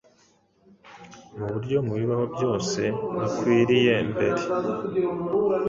ku buryo mu bibaho byose dukwiriye mbere